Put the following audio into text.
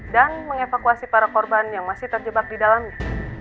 dan mengevakuasi para korban yang masih terjebak di dalamnya